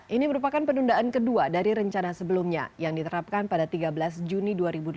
ini merupakan penundaan kedua dari rencana sebelumnya yang diterapkan pada tiga belas juni dua ribu delapan belas